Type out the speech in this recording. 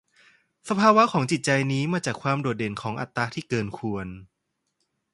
สภาวะของจิตใจนี้มาจากความโดดเด่นของอัตตาที่เกินควร